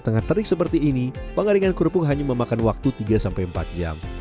tengah terik seperti ini pengaringan kerupuk hanya memakan waktu tiga empat jam